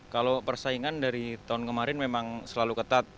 kalau persaingan dari tahun kemarin memang selalu ketat